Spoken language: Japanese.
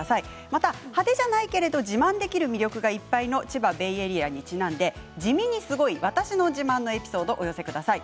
また、派手じゃないけれど自慢できる魅力がいっぱいの千葉ベイエリアにちなんで地味にすごい私の自慢のエピソードをお寄せください。